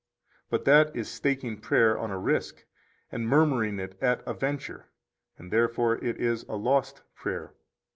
But that is staking prayer on a risk, and murmuring it at a venture; and therefore it is a lost prayer.